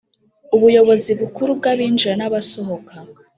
ubuyobozi bukuru bw’abinjira n’abasohoka